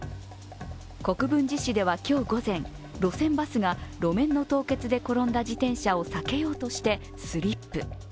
国分寺市では今日午前路線バスが路面の凍結で転んだ自転車を避けようとしてスリップ。